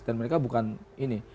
dan mereka bukan ini